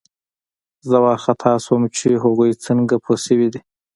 زه وارخطا شوم چې هغوی څنګه پوه شوي دي